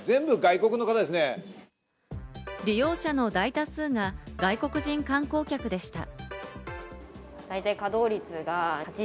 利用者の大多数が外国人観光客でした。